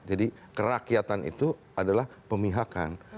jadi kerakyatan itu adalah pemihakan